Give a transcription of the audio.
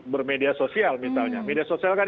bermedia sosial misalnya media sosial kan